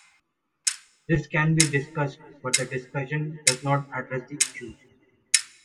This can be discussed, but the discussion does not address the issue.